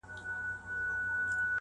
فضل سبحان افغان